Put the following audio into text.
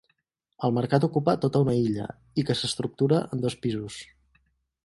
El Mercat ocupa tota una illa i que s'estructura en dos pisos.